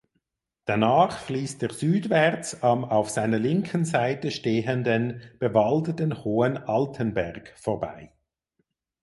Danach fließt er südwärts am auf seiner linken Seite stehenden bewaldeten hohen "Altenberg" vorbei.